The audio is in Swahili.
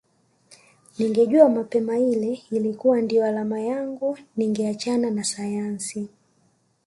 Ningejua mapema ile ilikuwa ndiyo alama yangu ningeachana na sayansi